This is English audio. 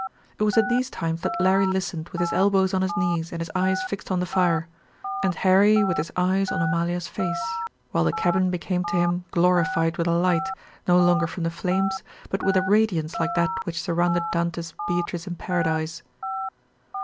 It was at these times that Larry listened with his elbows on his knees and his eyes fixed on the fire, and Harry with his eyes on Amalia's face, while the cabin became to him glorified with a light, no longer from the flames, but with a radiance like that which surrounded Dante's Beatrice in Paradise.